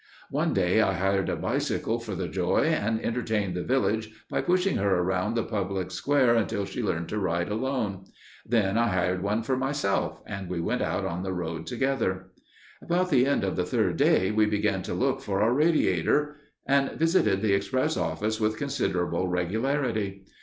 One day I hired a bicycle for the Joy, and entertained the village by pushing her around the public square until she learned to ride alone. Then I hired one for myself, and we went out on the road together. About the end of the third day we began to look for our radiator, and visited the express office with considerable regularity.